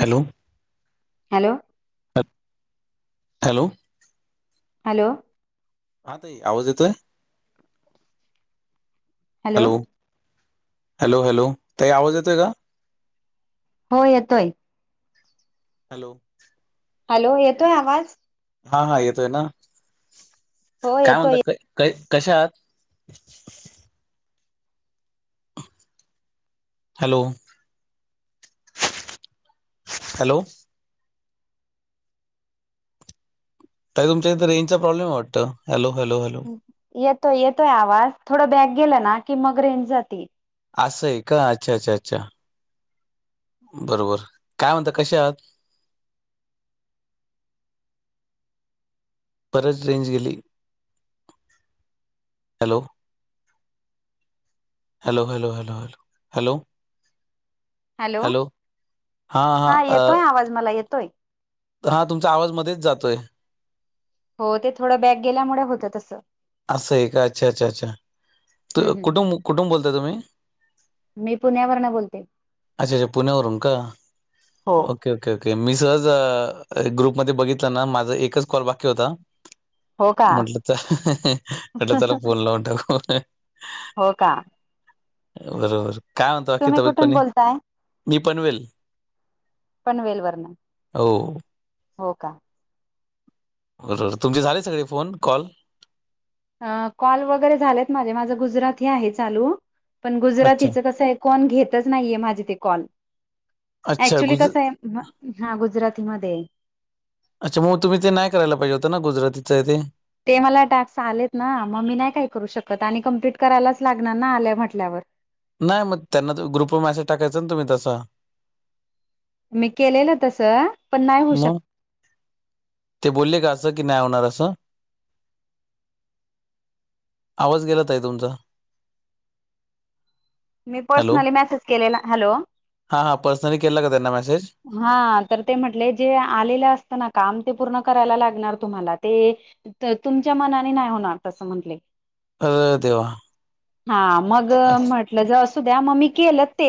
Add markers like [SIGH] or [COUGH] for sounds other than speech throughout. Hello. Hello. Hello. Hello. हा ताई, आवाज येतोय? हॅलो, हॅलो हॅलो,, ताई आवाज येतोय का? हो येतोय. हॅलो. हॅलो येतोय आवाज. हा हा येतोय ना, हो काय येतोय म्हणताय क कशा आहात? हॅलो -हॅलो ताई तुमच्या इथं रेंजचा प्रॉब्लेम आहे वाटतं,, हॅलो हॅलो हॅलो- येतोय येतोय आवाज, थोडं बॅक गेला ना की मग रेंज जाते. असं आहे का अच्छा अच्छा, अच्छा बरोबर काय म्हणता कशा हात? परत रेंज गेली,, hello hello hello hello hello hello hello,, हा येतोय आवाज मला येतोय. हा तुमचा आवाज मध्येच जातोय. हो ते थोडं बॅक गेल्यामुळं होतं तसं. असंय का अच्छा अच्छा अच्छा, हम्म हम्म कुठु कुठून बोलताय तुम्ही? मी पुण्यावरन बोलते. अच्छा अच्छा पुण्यावरून का हो ओ के ओके ओके मी सहज अह ग्रुप मध्ये बघितलं ना माझा एकच कॉल बाकी होता. हो का म्हटलं च, म्हटलं चला फोन लावून टाकू. हो का. बरोबर काय म्हणता आणखी तुम्ही तब्येत कुठून पाणी. बोलताय? मी पनवेल पनवेलवरन हो, हो का. बरोबर तुमचे झाले सगळे फोन कॉल? हा कॉल वगैरे झालेत माझे माझं गुजराती आहे चालू पण अच्छा. गुजरातीचं कसं आहे कोण घेतच नाहीये माझे ते कॉल. अच्छा ऍक्च्युली गुज कस आहे अह हा गुजरातीमध्ये आहे. अच्छा मग तुम्ही ते नाही करायला पाहिजे होतं ना गुजरातीच आहे ते. ते मला टास्क आलेत ना मग मी नाही काय करू शकत आणि कम्प्लीट करायलाच लागणार ना आलय म्हटल्यावर. नाय मग त्यांना तो ग्रुप वर मॅसेज टाकायचं ना तुम्ही तसा. मी केलेलं तस मग ते बोलले का असं की नाही होणार असं. आवाज गेला ताई तुमचा. मी पर्सनली मेसेज केलेला, हॅलो. हा हा पर्सनली केला का त्यांना मेसेज हा तर ते म्हटले जे आलेलं असत ना काम ते पूर्ण करायला लागणार तुम्हाला ते तर तुमच्या मनाने नाही होणार तसं म्हटले अरे देवा! हा मग अच्छा. म्ह टलं ज असू द्या मग मी केलं ते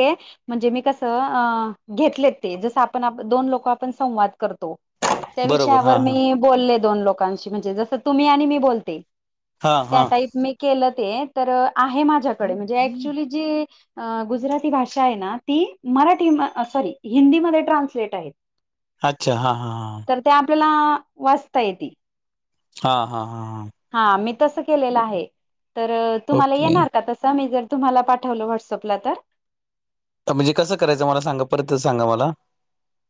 म्हणजे मी कसं अह घेतलेत ते जस आपण दोन लोक आपण संवाद करतो त्या बरोबर. विषयावर हां, हां. मी बोलले दोन लोकांशी म्हणजे जस तुम्ही आणि मी बोलते हां, त्या हां. टाईप मी केलं ते तर आहे माझ्याकडे म्हणजे ऍक्च्युली जी अह गुजराती भाषा आहे ना ती मराठी सॉरी हिंदीमध्ये ट्रान्सलेट आहेत. अच्छा हा हा हा. तर ते आपल्याला वाचता येते. हा हा हा हा. हा मी तसं केलेलं आहे. तर तुम्हाला ओके येणार का तसं मी जर तुम्हाला पाठवलं व्हॉट्सअपला तर तर म्हणजे कसं करायचं मला सांगा परत सांगा मला.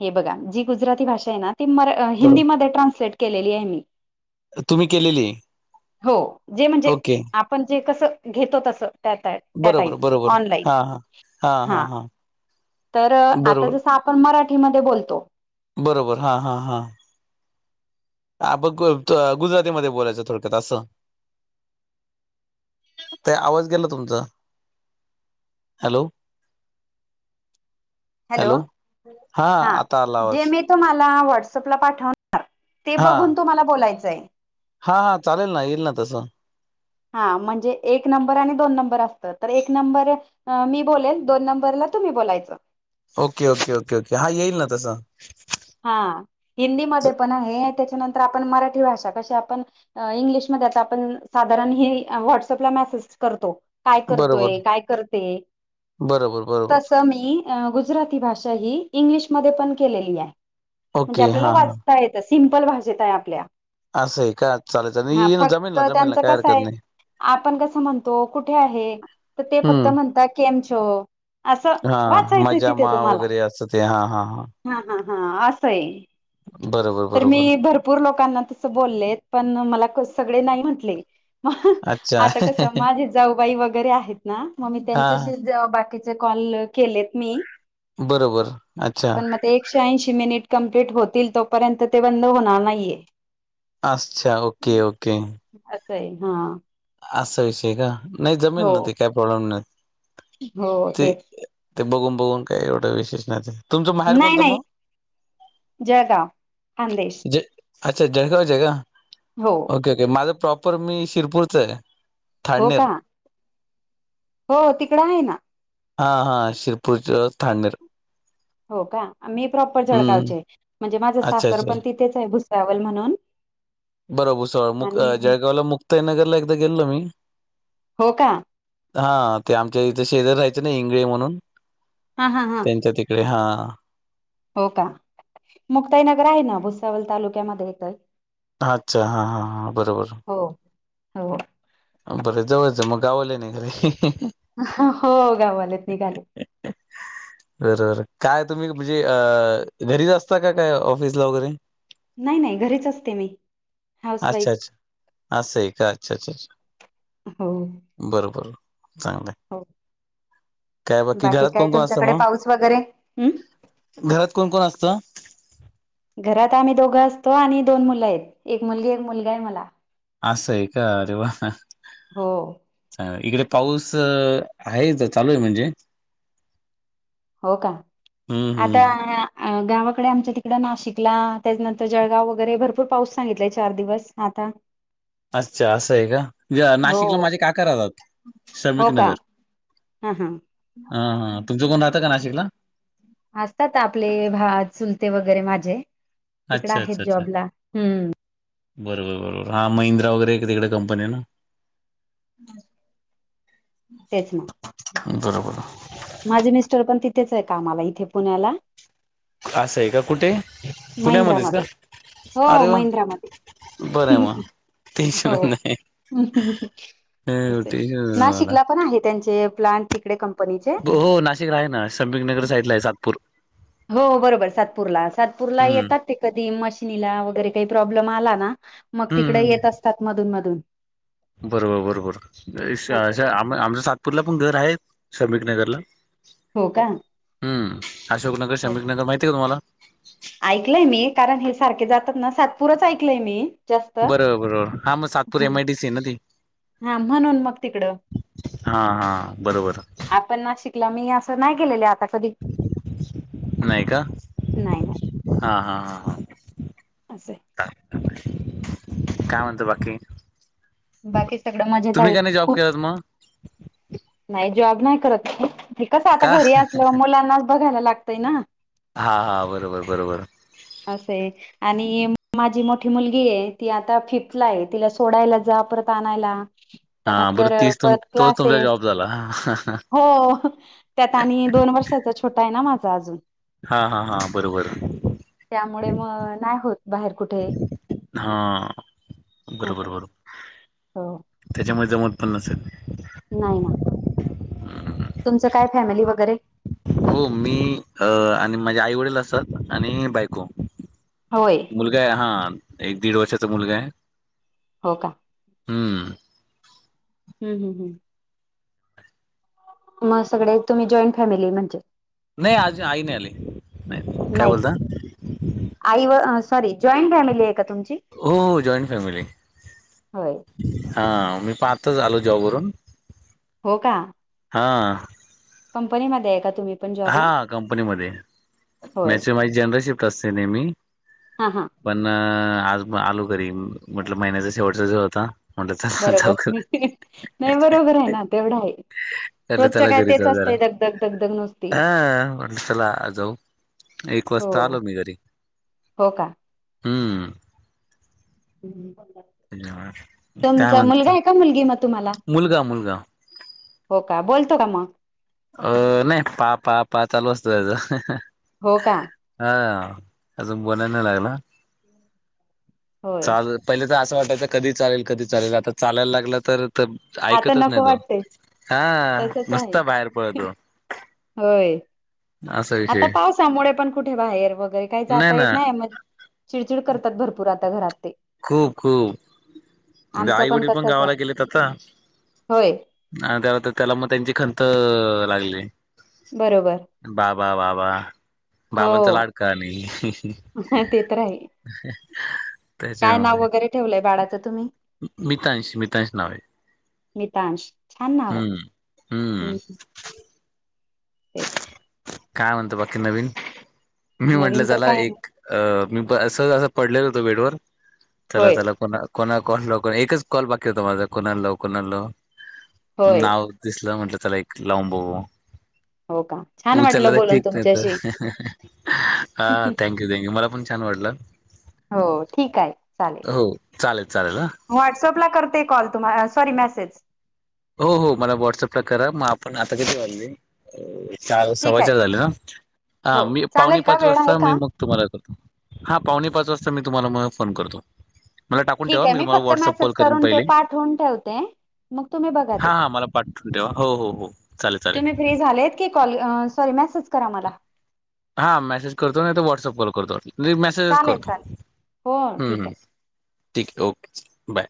हे बघा जी गुजराती भाषा आहे ना ती म बरोबर हिंदीमध्ये ट्रान्सलेट केलेली आहे मी तुम्ही केलेली आहे. हो जे म्हणजे ओके आपण जे कस घेतो तस त्या टाईप त्या बरोबर टाईप बरोबर ऑन लाइन हा हा हा हा हां हा तर आता बरोबर जस आप पण मराठीमध्ये बोलतो बरोबर हां हां हां. अह ब क त अह गुजरातीमध्ये बोलायचं थोडक्यात असं. ताई आवाज गेला तुमचा. हॅलो! हॅलो हा आता आला जे आवाज. मी तुम्हाला व्हाट्सअप ला पाठवणार ते हा बघून तुम्हाला बोलायचंय हा हा चालेल ना येईल ना तसं. हा म्हणजे एक नंबर आणि दोन नंबर असत तर एक नंबर मी बोलेल दोन नंबरला तुम्ही बोलायचं. ओके ओके ओके ओके हा येईल ना तसं. हा हिंदीमध्ये पण हे त्याच्यानंतर आपण मराठी भाषा कशी आपण इंग्लिशमध्ये आता आपण साधारण हे व्हॉट्सअपला मेसेज करतो, काय बरोबर करतोय काय करते, बरोबर बरोबर तस मी अ गुजराती भाषा ही इंग्लिशमध्ये पण केलेली आहे. म्हणजे ओके आपल्याला हा हा वाचता येतं सिम्पल भाषेत आहे आपल्या, असं आहे का चालेयचं हा आणि ना फक्त जमेनला जमेनला त्यांचं काय कसं हरकत आहे नाही. आपण कसं म्हणतो कुठे आहे, तर ते हम्म फक्त म्हणतात केम छो. हा मजा मा वगैरे असतं ते हा हा हा. हा हा हा असं आहे. बरोबर तर मी बरोबर भरपूर लोकांना तसं बोलले पण मला सगळे नाही म्हटले मग अच्छा आता कसं माझे जाऊबाई वगैरे आहेत ना मग मी हा त्यांच्याशी जेव्हा बाकीचे कॉल केलेत मी बरोबर अच्छा. पण मग ते एकशे ऐंशी मिनिट कंप्लीट होतील तोपर्यंत ते बंद होणार नाहीये. अच्छा ओके ओके. असंय हा. असा विषय आहे का नाही जमेल हो ना ते काही प्रॉब्लेम नाही. हो ते तेच. ते बघून बघून काय एवढं विशेष नाही ते. तुमचं माहेर नाही कोणतं नाही मग? जळगाव. खानदेश जे अच्छा जळगावच्या का? हो. ओके ओके माझं प्रॉपर मी शिरपूरच हाय. हो का हो तिकडं आहे ना. हा हा शिरपूरच थांणेर. हो का मी प्रॉपर हम्म जळगावचे म्हणजे माझं अच्छा सासर अच्छा पण तिथेच आहे भुसावल म्हणून, बरोबर भुसावळ मग आणि जळगावला मुक्ताईनगरला एकदा गेलेलो मी हो का हा ते आमच्या इथं शेजारी राहायचं ना इंगळे म्हणून हा हा हा त्यांच्या ते कडे हा. हो का मुक्ताई नगर आहे ना भुसावल तालुक्यामध्ये येतय. अच्छा हां हां हां बरोबर. हो हो बरं जवळचं मग गाववाले निघाले की, हो गाववाले निघाले. तर, काय तुम्ही म्हणजे अ घरीच असता का काय ऑफिसला वगैरे? नाही नाही घरीच असते मी. हाऊस वाईफ अच्छा अच्छा असा आहे का अच्छा अच्छा अच्छा. हो बर बर चांगलं हाय. हो बाकी काय कोण कोण असतं तुमच्याकडे मग पाऊस वगैरे? हम् घरात कोण कोण असतं. घरात आम्ही दोघं असतो. आणि दोन मुलं आहेत, एक मुलगी एक मुलगाय मला. असं आहे का, अरे वा. हो इकडे पाऊस आहे, इथ चालू आहे म्हणजे. हो का, हम्म आता हम्म मना अ गावाकडे आमच्या तिकडं नाशिकला, त्याच्यानंतर जळगाव वगैरे भरपूर पाऊस सांगितलाय, चार दिवस आता. [INAUDIBLE] अच्छा असं आहे का, हो नाशिकला माझे काका राहतात श्रमिक नगर. हां हां. हा हा तुमचं कोण राहतं का नाशिकला. असतात आपले भाव चुलते वगैरे माझे. तिकडे अच्छा, आहेत अच्छा, अच्छा. जॉबला हम्म बरोबर बरोबर हा महिंद्रा वगैरे इकडं तिकडे कंपनी हाय ना. [UNINTELLIGIBLE] तेच ना. बरोबर. माझे मिस्टर पण तिथेच आहे कामाला इथे पुण्याला. असं आहे का, कुठे पुण्यामध्येच का. महिंद्रामध्ये हो महिंद्रामध्ये. बरंय मग. टेन्शन हो. नाही [UNINTELLIGIBLE] असय, टेन्शन नाशिकला पण आहे त्याचे प्लॅन तिकडे कंपनीचे. हो नाशिकला आहे ना, श्रमिक नगर साईडला आहे सातपूर. हो बरोबर सातपूरला, सातपूरला हम्म येतात ते कधी मशिनीला वगैरे काही प्रॉब्लेम आला ना. मग हम्म तिकडे येत हम्म असतात, मधून मधून. बरोबर बरोबर ते असे आमच्या. सातपूरला पण घर आहे, शमिक नगरला. हो का. हम्म अशोकनगर, हो. श्रमिक नगर माहिती आहे का तुम्हाला. ऐकलंय मी कारण हे सारखे जातात ना, सातपुरच ऐकलंय मी. जास्त बरोबर बरोबर, हा मग सातपूर एमआयडीसी आहे ना ती. हा म्हणून मग तिकडं, हा हा बरोबर आपण नाशिक ला असं नाही गेलेले कधी. नाही का, नाही नाही हा हा हा हा. [INAUDIBLE] काय म्हणता बाकी. बाकी सगड मजेत तुम्ही आहे का नाही जॉब खूप. केलात मग नाही जॉब नाही करत मी. ते कस आता का घरी असल्यावर मुलांनाच बघायला लागतय ना. हा हा, बरोबर बरोबर. असंय. आणि माझी मोठी मुलगी आहे, ती आता फिफ्थला आहे. तिला सोडायला जा परत आणायला. [INAUDIBLE] हा बर तीच तु परत तो तुमचा क्लासेस जॉब झाला. हो त्यात आणि दोन वर्षाचा छोटा आहे, ना माझा अजून. हा हा हा बरोबर. त्यामुळे मग नाही होत बाहेर. कुठे हा असं बरोबर बरोबर. हो त्याच्यामुळे जमत पण नसलं. नाही ना. तुमचं काय फॅमिली वगैरे? हो मी आणि माझे आई वडील असतात आणि बायको. होय. मुलगा आहे हा एक दीड वर्षाचा मुलगा आहे. हो का. हम्म हम्म हम्म हम्म म सगळे तुम्ही जॉईंट फॅमिली म्हणजे. नाही आज आई नाही आली नाही नाही काय बोलता. आई व सॉरी जॉईंट फॅमिली आहे का तुमची? हो हो जॉईंट फॅमिली. होय. हा मी पण आता च आलो जॉबरून. हो का. हा.. कंपनीमध्ये आहे का तुम्ही? पण जॉबला? हा कंपनीमध्ये, होय. मचे माझी जनरल शिफ्ट असते नेहमी. हा हा पण आज आलो घरी म्हटल महिन्याचा शेवटचा दिवस होता. म्हटलं चला जाऊ बरोबर, नाही बरोबर आहे ना तेवढा आहे. चला रोजचं चला काय घरी तेच जाऊ जरा असतंय दगदग दगदग नुसती. हा म्हटलं चला जाऊ एक हो वाजता आलो मी घरी. हो का? हम्म काय तुमचा म्हणत मुलगा आहे का मुलगी म- तुम्हांला? मुलगा मुलगा हो का बोलतो का मग. अ नाही पा पा पा चालू असत त्याचं. हो का. हा अजून बोलाय नाही लागला होय चालू पहिले तर असं वाटायच कधी चालेल कधी चालेल आता चालायला लागलं तर- आता ऐकतच नाही नको तो वाटते हा तसच आहे नुसता बाहेर पळतो. होय. असा आता विषय पावसामुळे पण कुठे बाहेर वगैरे काही जाता येत नाही म चिडचिड करतात भरपूर आता घरात. खूप खूप आमचा आईवडील पण तसाच आहे गावाला गेलेत आता. होय आणि त्याला मग त्यांची खंत लागली. बरोबर बाबा बाबा हो बाबांचा लाडका आणि- ते तर आहे ह [UNINTELLIGIBLE] काय नाव वगैरे ठेवलंय बाळाचं तुम्ही? मितांश, मितांश नाव आहे. मितांश छान नाव हम्म हाय. हम्म एक काय म्हणता बाकी नवीन मी म्हटलं नवीन तर चला काय ना एक अ मी सहज असं पडलेल होतो बेडवर चला होय चला कोणा कोणा कोण लावू को एकच कॉल बाकी होता माझा कोणाला लावू कोणाल लावू होय नाव दिसलं म्हटलं चला एक लावून बघू हो का छान उचललं वाटलं तर बोलून ठीक नाही तुमच्याशी तर हा थँक मला पण छान वाटलं हो ठीक आहे चालेल हो चालेल चालेल व्हॉट्सअप ला करते कॉल तुम्हाला सॉरी मेसेज हो हो मला व्हॉट्सअपला करा मग आपण आता कधी वाजले चार ठीक आहे सव्वाचार झाले ना हा हो मी पावणे चालेल का पाच वेळ आहे वाजता मी का मग तुम्हाला करतो हा पावणे पाच वाजता मी तुम्हाला म फोन करतो मला टाकून ठेवा मी तुम्हाला वॉटसअप कॉल करीन पहिले फोन ठेवते मग तुम्ही बघा हा ते हा मला पाठवून ठेवा हो हो हो चालेल चालेल झाले की कॉल सॉरी मेसेज करा मला हा मेसेज करतो नाही तर व्हॉट्सअप कॉल करतो मेसेजच चालेल करतो चालेल हो हम्म ठीक आहे हम्म ठीक आहे ओके बाय